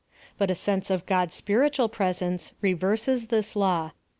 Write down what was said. But a sense of God's special presence re vei ses this law.